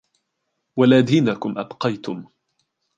وَلَا دِينَكُمْ أَبْقَيْتُمْ